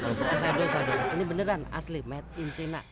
usah aduh ini beneran asli made in cina